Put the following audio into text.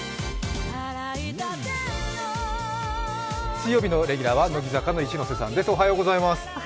水曜日のレギュラーは乃木坂の一ノ瀬さんです。